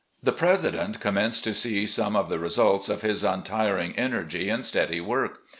The president commenced to see some of the results of his untiring energy and steady work.